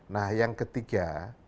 nah yang ketiga